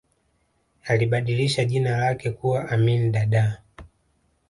alibadilisha jina lake kuwa amin dada